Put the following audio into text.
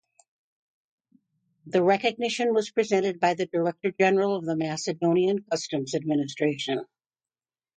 The recognition was presented by the Director General of the Macedonian Customs Administration.